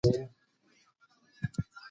ماشومان باید د غاښونو د ډاکټر څخه وېره ونه لري.